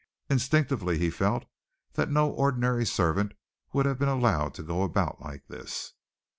Instinctively he felt that no ordinary servant would have been allowed to go about like this.